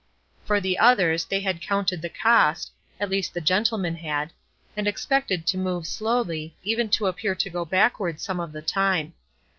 For the others, they had counted the cost, at least the gentlemen had, and expected to move slowly, even to appear to go backward some of the time.